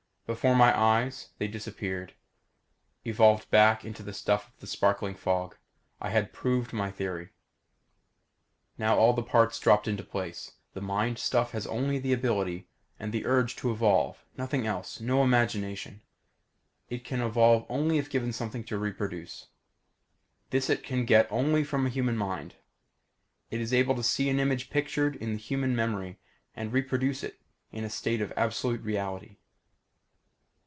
Before my eyes, they disappeared, evolved back into the stuff of the sparkling fog. I had proved my theory. Now all the parts dropped into place. The mind stuff has only the ability and the urge to evolve nothing else no imagination. It can evolve only if given something to reproduce. This it can get only from a human mind. It is able to see an image pictured in the human memory and reproduce it in a state of absolute reality.